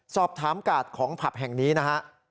สอบถามกราศของผับแห่งนี้นะครับ